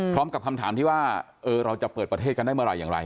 พร้อมกับคำถามที่ว่าเราจะเปิดประเทศกันได้เมื่อไหร่อย่างไร